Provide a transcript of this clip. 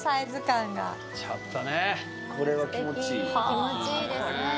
気持ちいいですね。